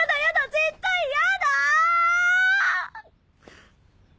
絶対やだっ！